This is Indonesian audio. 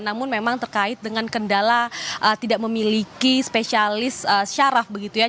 namun memang terkait dengan kendala tidak memiliki spesialis syaraf begitu ya